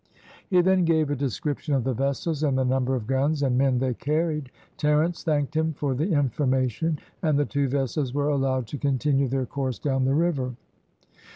He then gave a description of the vessels, and the number of guns and men they carried. Terence thanked him for the information, and the two vessels were allowed to continue their course down the river.